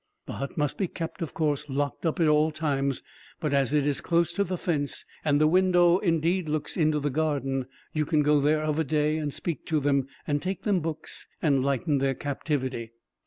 The hut must be kept, of course, locked up at all times; but as it is close to the fence, and the window indeed looks into the garden, you can go there of a day and speak to them, and take them books, and lighten their captivity.